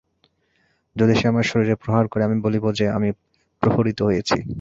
যদি সে আমার শরীরে প্রহার করে, আমি বলিব যে, আমি প্রহৃত হইয়াছি।